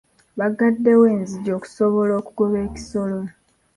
Baggaddewo enzigi okusobola okugoba ekisolo.